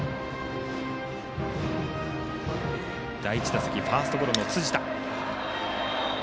第１打席、ファーストゴロの辻田。